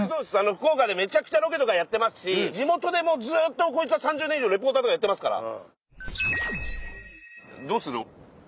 福岡でめちゃくちゃロケとかやってますし地元でもうずっとこいつは３０年以上リポーターとかやってますから。